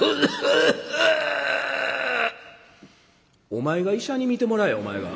「お前が医者に診てもらえお前が。